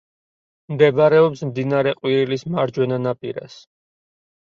მდებარეობს მდინარე ყვირილის მარჯვენა ნაპირას.